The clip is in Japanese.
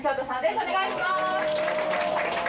お願いします！